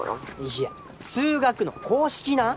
いや数学の公式な。